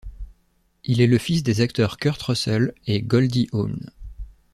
Il est le fils des acteurs Kurt Russell et Goldie Hawn.